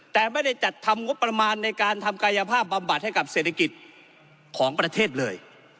แต่ไม่ได้จัดทำงบประมาณในการทำกายภาพบำบัดให้กับเศรษฐกิจของประเทศเลย